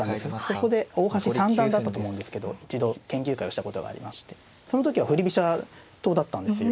そこで大橋三段だったと思うんですけど一度研究会をしたことがありましてその時は振り飛車党だったんですよ。